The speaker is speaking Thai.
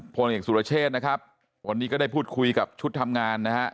พลเอกสุรเชษนะครับวันนี้ก็ได้พูดคุยกับชุดทำงานนะฮะ